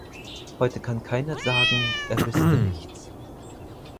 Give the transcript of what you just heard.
Heute kann keiner sagen, er wüsste nichts.